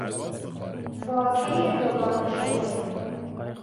واکه دوگانه شده